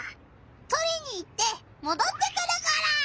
とりに行ってもどってくるから！